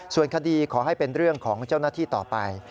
ส่วนคดีขอให้เป็นเรื่องของเจ้าหน้าที่ต่อไป